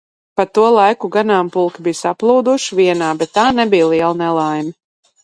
Pa to laiku ganāmpulki bija saplūduši vienā, bet tā nebija liela nelaime.